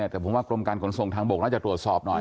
แต่ผมว่ากรมการขนส่งทางบกน่าจะตรวจสอบหน่อย